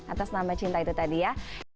atas nama cinta itu tadi ya